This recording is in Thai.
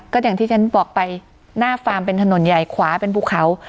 ก็อย่างที่ฉันบอกไปหน้าฟาร์มเป็นถนนใหญ่ขวาเป็นภูเขา